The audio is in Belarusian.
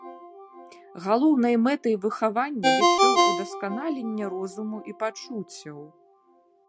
Галоўнай мэтай выхавання лічыў ўдасканаленне розуму і пачуццяў.